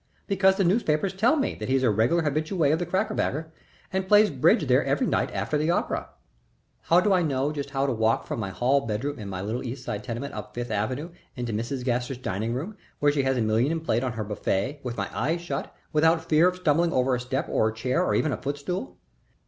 Because the newspapers tell me that he is a regular habitué of the Crackerbaker and plays bridge there every night after the opera. How do I know just how to walk from my hall bedroom in my little East Side tenement up Fifth Avenue into Mrs. Gaster's dining room, where she has a million in plate on her buffet, with my eyes shut, without fear of stumbling over a step or a chair or even a footstool?